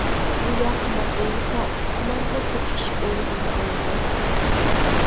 بۇ يا قىمار بولمىسا، قىماردىمۇ پۇل تىكىشىپ ئوينىغاننى ئاڭلىغان.